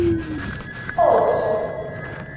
Eḍs.